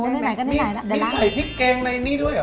มีใส่พริกแกงในนี้ด้วยหรอ